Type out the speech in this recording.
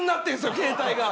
携帯が。